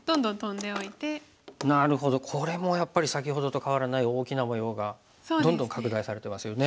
なるほどこれもやっぱり先ほどとかわらない大きな模様がどんどん拡大されてますよね。